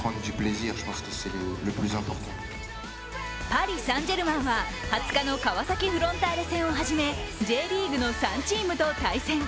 パリ・サン＝ジェルマンは２０日の川崎フロンターレ戦を初め、Ｊリーグの３チームと対戦。